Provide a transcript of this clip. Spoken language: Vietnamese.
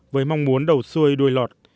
với mong muốn đầu xuôi đuôi lọt